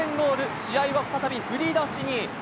試合は再び振り出しに。